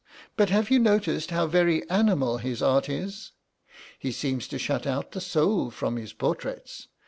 But have you noticed how very animal his art is? He seems to shut out the soul from his portraits.